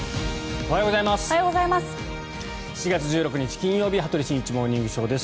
おはようございます。